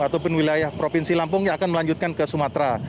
ataupun wilayah provinsi lampung yang akan melanjutkan ke sumatera